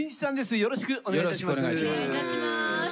よろしくお願いします。